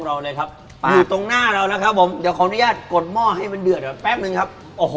ของเพราะเดิมนะครับ